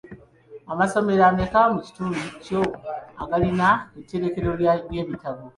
Amasomero ameka mu kiundu kio agatalina tterekero lya bitabo?